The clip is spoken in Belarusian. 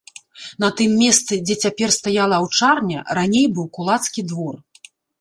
На тым месцы, дзе цяпер стаяла аўчарня, раней быў кулацкі двор.